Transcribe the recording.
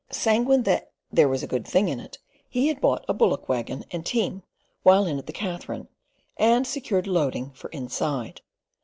Sanguine that "there was a good thing in it," he had bought a bullock waggon and team while in at the Katherine, and secured "loading" for "inside."